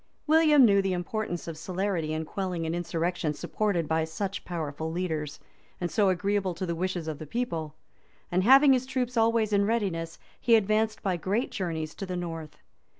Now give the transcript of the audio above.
William knew the importance of celerity in quelling an insurrection supported by such powerful leaders, and so agreeable to the wishes of the people; and having his troops always in readiness, he advanced by great journeys to the north.